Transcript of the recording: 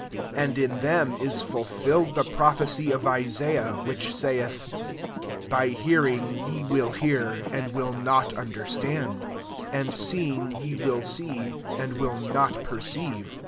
14 And in diem is fulfiU^d the prophecy of Isaiah, which sahh, < By hearing ye vrill hear, and wiU not understand ; and seeing ye will see, and will not perceive.